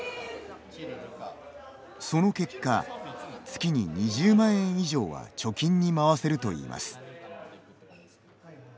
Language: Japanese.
その結果、月に２０万円以上は貯金にまわせるといいます。